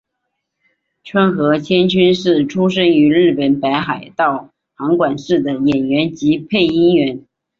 川合千春是出身于日本北海道函馆市的演员及配音员。